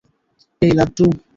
এই, লাড্ডু!